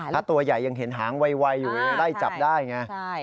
ถ้าตัวใหญ่ยังเห็นหางไวอยู่ไล่จับได้ไง